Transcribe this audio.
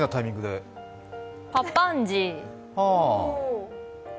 パパンジー。